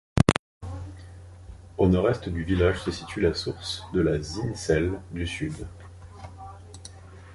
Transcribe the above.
Au Nord-Est du village se situe la source de la Zinsel du Sud.